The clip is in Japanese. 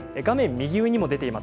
右上に出ています